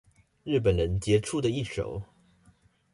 日本人傑出的一手